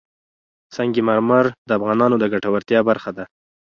سنگ مرمر د افغانانو د ګټورتیا برخه ده.